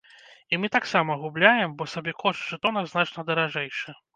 І мы таксама губляем, бо сабекошт жэтона значна даражэйшы.